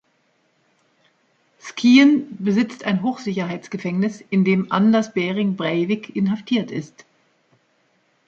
Skien besitzt ein Hochsicherheitsgefängnis, in dem Anders Behring Breivik inhaftiert ist.